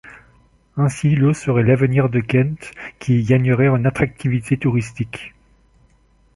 Ainsi l'eau serait l'avenir de Keent, qui y gagnerait en attractivité touristique.